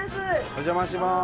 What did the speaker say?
お邪魔します。